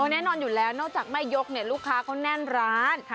แน่นอนอยู่แล้วนอกจากแม่ยกเนี่ยลูกค้าเขาแน่นร้าน